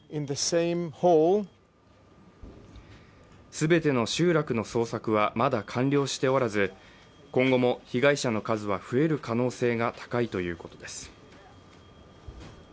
全ての集落の捜索は、まだ完了しておらず、今後も被害者の数は増える可能性が高いということです。